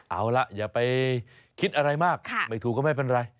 เอาล่ะอย่าไปคิดอะไรมากไม่ถูกก็ไม่เป็นไร